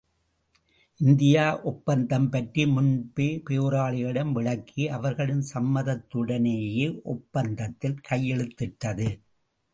India ஒப்பந்தம் பற்றி முன்பே போராளிகளிடம் விளக்கி, அவர்களின் சம்மதத்துடனேயே ஒப்பந்தத்தில் கையெழுத்திட்டது.